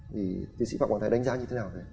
thì tiến sĩ phạm hoàng thái đánh giá như thế nào